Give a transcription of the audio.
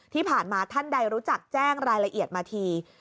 ที่ผ่านมาท่านใดรู้จักแจ้งรายละเอียดมาที